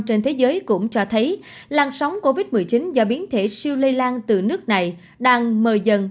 trên thế giới cũng cho thấy lan sóng covid một mươi chín do biến thể siêu lây lan từ nước này đang mời dần